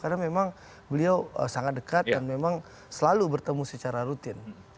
karena memang beliau sangat dekat dan memang selalu bertemu secara rutin